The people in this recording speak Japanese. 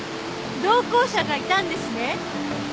同行者がいたんですね？